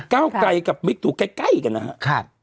เก้าไกลกับมิกตูใกล้กันนะครับ